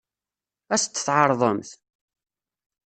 Ad as-t-tɛeṛḍemt?